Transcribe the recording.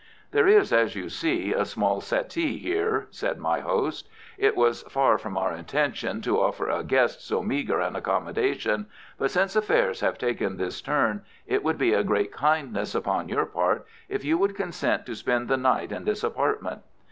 "There is, as you see, a small settee here," said my host. "It was far from our intention to offer a guest so meagre an accommodation, but since affairs have taken this turn, it would be a great kindness upon your part if you would consent to spend the night in this apartment.